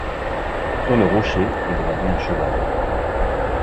Sur le rocher est gravé un cheval.